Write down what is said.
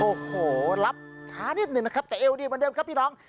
โอ้โหรับช้านิดหนึ่งนะครับแต่เอวดีเหมือนเดิมครับพี่น้อง